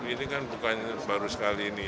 ini kan bukan baru sekali ini